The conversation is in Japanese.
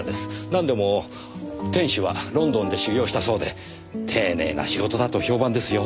なんでも店主はロンドンで修業したそうで丁寧な仕事だと評判ですよ。